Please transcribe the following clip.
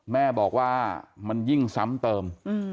แม่บอกว่ามันยิ่งซ้ำเติม